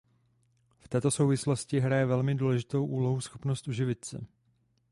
V této souvislosti hraje velmi důležitou úlohu schopnost uživit se.